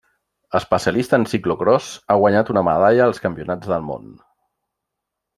Especialista en ciclocròs, ha guanyat una medalla als Campionats del món.